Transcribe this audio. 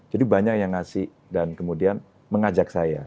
jadi banyak yang ngasih dan kemudian mengajak saya